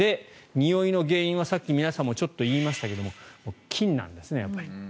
においの原因はさっき皆さんもちょっと言いましたが菌なんですね。